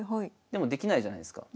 でもできないじゃないですか。